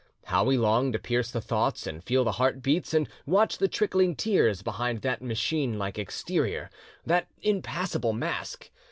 How we long to pierce the thoughts and feel the heart beats and watch the trickling tears behind that machine like exterior, that impassible mask!